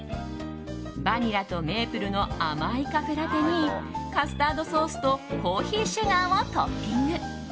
バニラとメープルの甘いカフェラテにカスタードソースとコーヒーシュガーをトッピング。